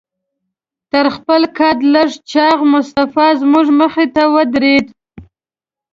تر خپل قد لږ چاغ مصطفی زموږ مخې ته ودرېد.